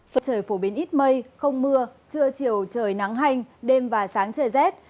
phật trời phổ biến ít mây không mưa trưa chiều trời nắng hành đêm và sáng trời rét